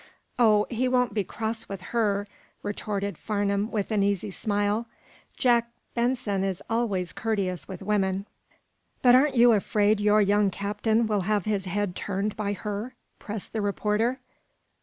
"Oh, he won't be cross with her," retorted Farnum, with an easy smile. "Jack Benson is always courteous with women." "But aren't you afraid your young captain will have his head turned by her?" pressed the reporter.